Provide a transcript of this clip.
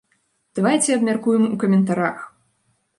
Давайце абмяркуем у каментарах!